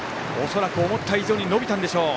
恐らく思った以上に伸びたんでしょう。